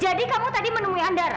jadi kamu tadi menemui andara